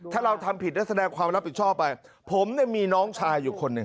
ถ้าเราทำผิดแล้วแสดงความรับผิดชอบไปผมเนี่ยมีน้องชายอยู่คนหนึ่ง